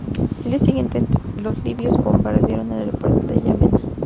Al día siguiente los libios bombardearon el aeropuerto de Yamena.